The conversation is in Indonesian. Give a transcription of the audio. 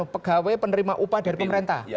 pegawai penerima upah dari pemerintah